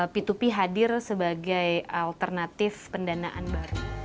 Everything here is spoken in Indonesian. p dua p hadir sebagai alternatif pendanaan baru